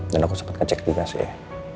dan aku sempet ngecek juga sih